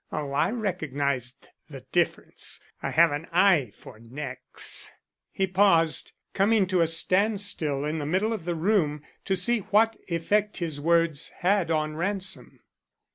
Oh, I recognized the difference; I have an eye for necks." He paused, coming to a standstill in the middle of the room, to see what effect his words had had on Ransom.